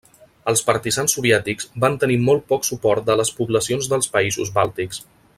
Els partisans soviètics van tenir molt poc suport de les poblacions dels països bàltics.